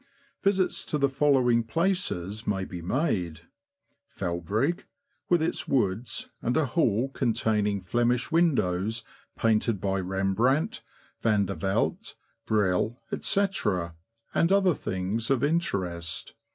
Visits to the following places may be made : Felbrigg, with its woods, and a Hall containing Flemish windows painted by Rembrandt, Vandervelde, Brill, &c., and other things of interest.